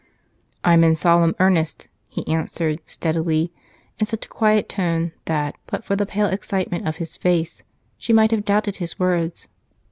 "I'm in solemn earnest," he answered steadily, in such a quiet tone that, but for the pale excitement of his face, she might have doubted his words.